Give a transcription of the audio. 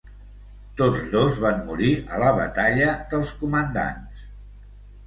Tots dos van morir a la batalla dels comandants.